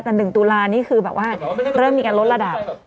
แต่๑ตุลานี่คือแบบว่าเริ่มมีการลดระดับ